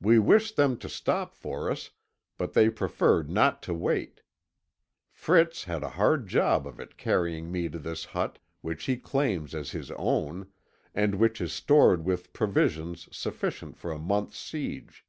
We wished them to stop for us, but they preferred not to wait. Fritz had a hard job of it carrying me to this hut, which he claims as his own, and which is stored with provisions sufficient for a month's siege.